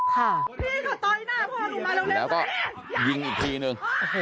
ค่ะพี่เขาต่อยหน้าพ่อหนูมาเร็วแล้วก็ยิงอีกทีหนึ่ง